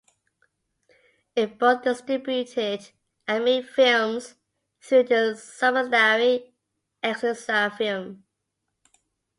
It both distributed and made films through its subsidiary Excelsa Film.